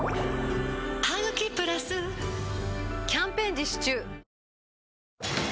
「ハグキプラス」キャンペーン実施中